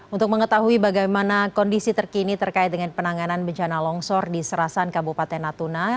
untuk mengetahui bagaimana kondisi terkini terkait dengan penanganan bencana longsor di serasan kabupaten natuna